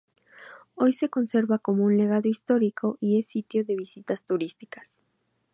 Hoy se conserva como un legado histórico y es sitio de visitas turísticas.